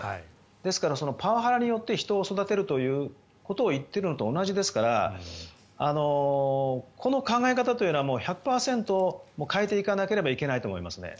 ですからパワハラによって人を育てると言ってるのと同じですからこの考え方はもう１００％変えていかなければいけないと思いますね。